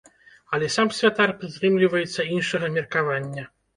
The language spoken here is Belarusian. Але сам святар прытрымліваецца іншага меркавання.